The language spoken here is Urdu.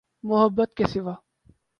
محبت کے سوا۔